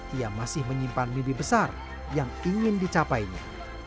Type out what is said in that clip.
dia masih menyimpan mimpi besar yang ingin dicapainya